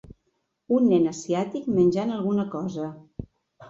Un nen asiàtic menjant alguna cosa.